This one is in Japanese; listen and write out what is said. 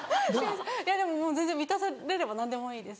いやでももう全然満たされれば何でもいいです。